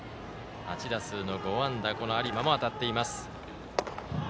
８打数の５安打有馬も当たっています。